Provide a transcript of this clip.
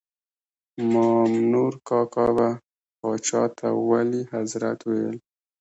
مامنور کاکا به پاچا ته ولي حضرت ویل.